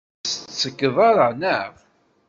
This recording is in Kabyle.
Ur t-tettgeḍ ara, naɣ?